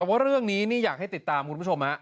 ว่าเรื่องนี้อยากให้ติดตามคุณผู้ชม